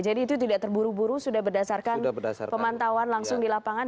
jadi itu tidak terburu buru sudah berdasarkan pemantauan langsung di lapangan